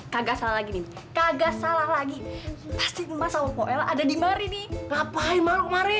kagak salah lagi kagak salah lagi ada di mari nih ngapain mare mare